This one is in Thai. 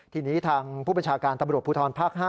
ทีนี้ทางผู้บัญชาการตำรวจภูทรภาค๕